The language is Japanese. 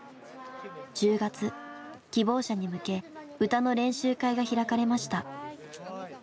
希望者に向け歌の練習会が開かれました。